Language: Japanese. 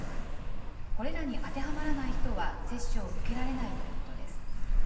これらに当てはまらない人は、接種を受けられないということです。